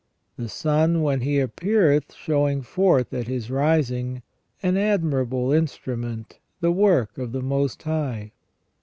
The sun when he appeareth showing forth at his rising, an admir able instrument, the work of the Most High."